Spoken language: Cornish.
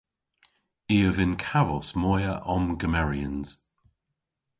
I a vynn kavos moy a omgemeryans.